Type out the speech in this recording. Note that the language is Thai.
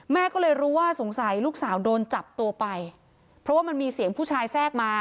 แม่ก็เลยรู้ว่าสงสัยลูกสาวโดนจับตัวไปเพราะว่ามันมีเสียงผู้ชายแทรกมา